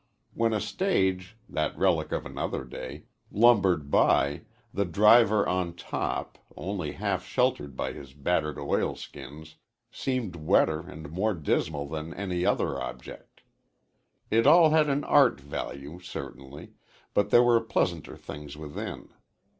When a stage that relic of another day lumbered by, the driver on top, only half sheltered by his battered oil skins, seemed wetter and more dismal than any other object. It all had an art value, certainly, but there were pleasanter things within.